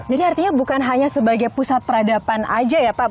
jadi artinya bukan hanya sebagai pusat peradaban aja ya pak